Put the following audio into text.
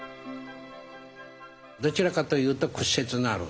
どちらかというと屈折のある。